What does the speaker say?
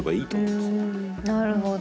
なるほど。